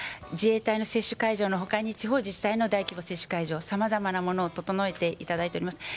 自衛隊の接種会場の他に地方自治体の大規模接種会場さまざまなものを整えていただいております。